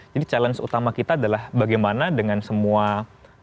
jadi challenge utama kita adalah bagaimana dengan semua perusahaan yang berbeda beda